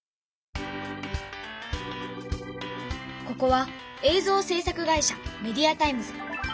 ここは映像せい作会社メディアタイムズ。